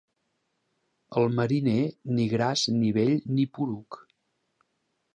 El mariner, ni gras ni vell ni poruc.